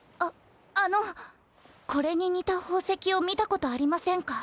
ああのこれに似た宝石を見たことありませんか？